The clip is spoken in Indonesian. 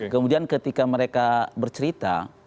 kemudian ketika mereka bercerita